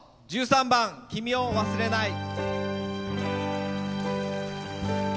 １３番「君を忘れない」。